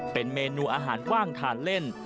เป็นเมนูอาหารว่างทานเล่น